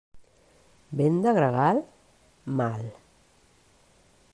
Vent de gregal? Mal!